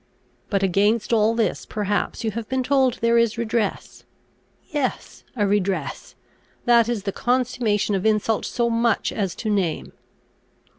But against all this perhaps you have been told there is redress. Yes; a redress, that it is the consummation of insult so much as to name!